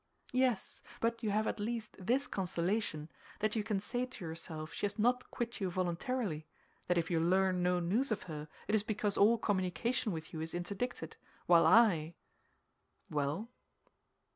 "Yes, but you have at least this consolation, that you can say to yourself she has not quit you voluntarily, that if you learn no news of her, it is because all communication with you is interdicted; while I—" "Well?"